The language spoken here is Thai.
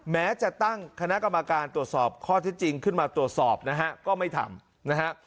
แม้จะตั้งคณะกรรมการตรวจสอบข้อที่จริงขึ้นมาตรวจสอบนะฮะก็ไม่ทำนะฮะ